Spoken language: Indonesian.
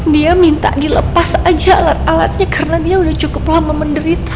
dia minta dilepas aja alat alatnya karena dia udah cukup lama menderita